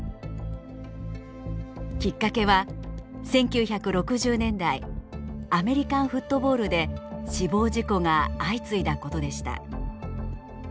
きっかけは１９６０年代アメリカンフットボールで死亡事故が相次いだことでした。